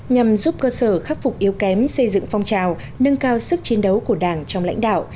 nhằm giúp cơ sở khắc phục yếu kém xây dựng phong trào nâng cao sức chiến đấu của đảng trong lãnh đạo